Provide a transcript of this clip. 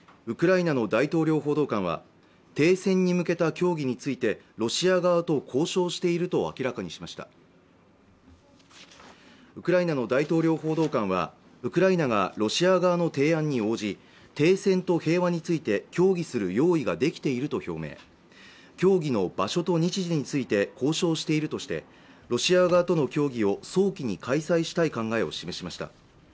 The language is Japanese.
ウクライナの大統領報道官は停戦に向けた協議についてロシア側と交渉していると明らかにしましたウクライナの大統領報道官はウクライナがロシア側の提案に応じ停戦と平和について協議する用意ができていると表明協議の場所と日時について交渉しているとしてロシア側との協議を早期に開催したい考えを示しました